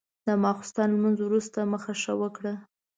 د ماسخوتن لمونځ وروسته مخه ښه وکړه.